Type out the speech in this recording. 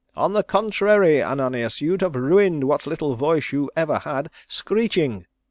On the contrary, Ananias, you'd have ruined what little voice you ever had screeching."